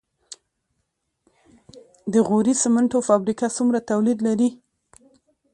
د غوري سمنټو فابریکه څومره تولید لري؟